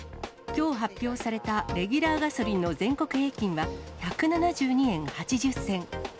きょう発表されたレギュラーガソリンの全国平均は、１７２円８０銭。